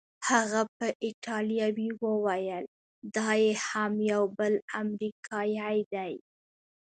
هغه په ایټالوي وویل: دا یې هم یو بل امریکايي دی.